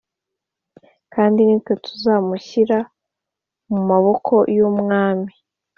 kandi ni twe tuzamushyira mu maboko y’umwami.